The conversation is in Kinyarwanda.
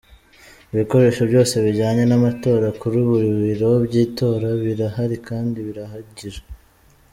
Ibikoresho byose bijyanye n’amatora kuri buri biro byitora birahari kandi birahagije.